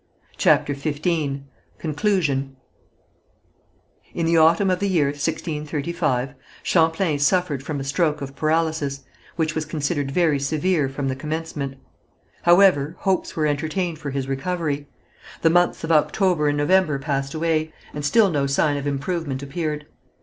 CHAPTER XV CONCLUSION In the autumn of the year 1635, Champlain suffered from a stroke of paralysis, which was considered very severe from the commencement. However, hopes were entertained for his recovery. The months of October and November passed away, and still no sign of improvement appeared.